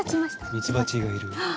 ミツバチがいる。